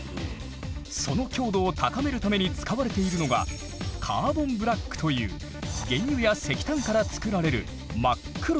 その強度を高めるために使われているのがカーボンブラックという原油や石炭から作られる真っ黒な素材。